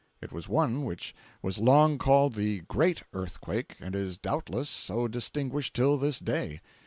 It was one which was long called the "great" earthquake, and is doubtless so distinguished till this day.